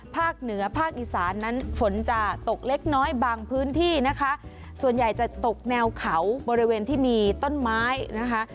ภาคเหนือภาคอีสานนั้นฝนจะตกเล็กน้อยบางพื้นที่นะคะส่วนใหญ่จะตกแนวเขาบริเวณที่มีต้นไม้นะคะ